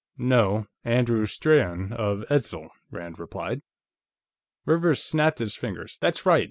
"No; Andrew Strahan, of Edzel," Rand replied. Rivers snapped his fingers. "That's right!